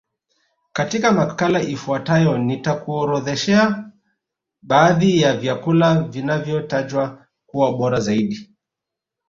Katika makala ifuatayo nitakuorodhoshea baadhi ya vyakula vinavyotajwa kuwa bora zaidi